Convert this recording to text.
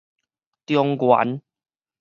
中原